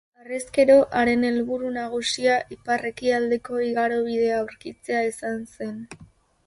Harrezkero haren helburu nagusia ipar-ekialdeko igarobidea aurkitzea izan zen.